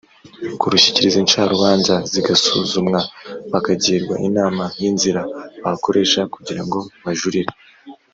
kurushyikiriza incarubanza zigasuzumwa bakagirwa inama y inzira bakoresha kugira ngo bajurire